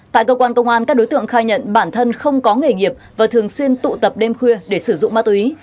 tại cơ quan công an các đối tượng khai nhận bản thân không có nghề nghiệp và thường xuyên tụ tập đêm khuya để sử dụng ma túy